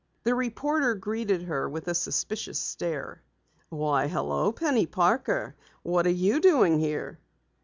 The reporter greeted her with a suspicious stare. "Why, hello, Penny Parker. What are you doing here?"